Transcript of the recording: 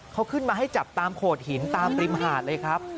เขาขึ้นมาให้จับตามโขดหินตามริมหาดเลยครับ